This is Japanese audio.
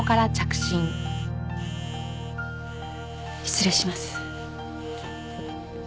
失礼します。